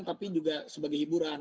tapi juga sebagai hiburan